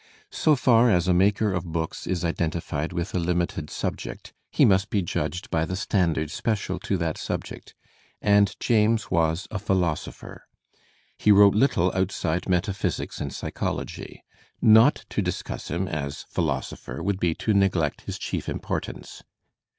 So far as a maker of books is identified with a limited subject, he must be judged by the standards special to that subject; and James was a philosopher; he wrote little outside metaphysics and p^ chology; not to discuss him as philosopher would be to neglect his chief importance.